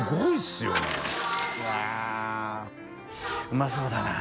うまそうだな。